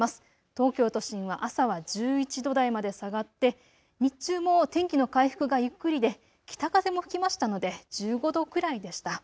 東京都心は朝は１１度台まで下がって日中も天気の回復がゆっくりで北風も吹きましたので１５度くらいでした。